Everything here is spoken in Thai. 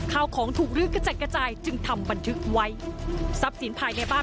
ข้าวของถูกลื้อกระจัดกระจายจึงทำบันทึกไว้ทรัพย์สินภายในบ้าน